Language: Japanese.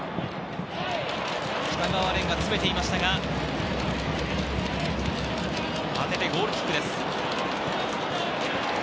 北川漣が詰めていましたが、当ててゴールキックです。